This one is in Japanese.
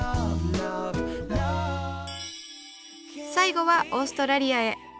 最後はオーストラリアへ。